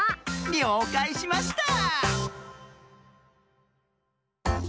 りょうかいしました。